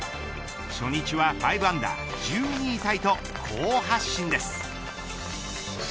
初日は５アンダー１２位タイと好発進です。